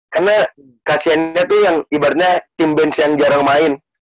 karena kasihan nya tuh yang ibaratnya tim bench yang jarang main